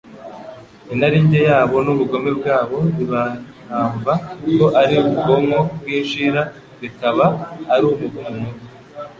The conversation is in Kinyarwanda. inarinjye yabo n'ubugome bwa bo bibahamva ko ari ubwoko bw'inshira bikaba ari umuvumo mubi